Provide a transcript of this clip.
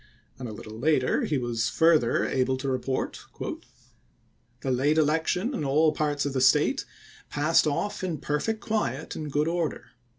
And a little later he was further able to report: " The late election in all parts of the State passed to '^Li'ncoin, off in perfect quiet and good order.